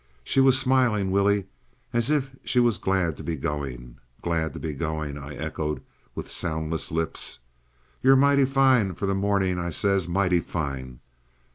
She was smiling, Willie—as if she was glad to be going. ("Glad to be going," I echoed with soundless lips.) 'You're mighty fine for the morning,' I says; 'mighty fine.